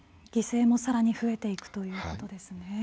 犠牲もさらに増えていくということですね。